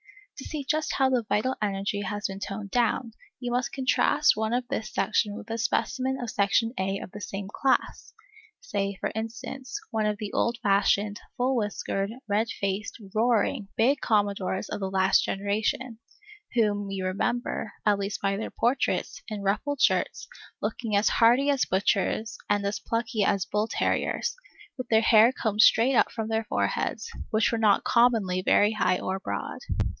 To see just how the vital energy has been toned down, you must contrast one of this section with a specimen of Section A of the same class, say, for instance, one of the old fashioned, full whiskered, red faced, roaring, big Commodores of the last generation, whom you remember, at least by their portraits, in ruffled shirts, looking as hearty as butchers and as plucky as bull terriers, with their hair combed straight up from their foreheads, which were not commonly very high or broad.